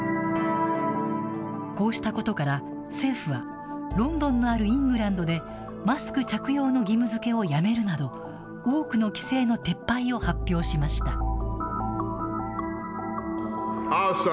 こうしたことから、政府はロンドンのあるイングランドでマスク着用の義務づけをやめるなど多くの規制の撤廃を発表しました。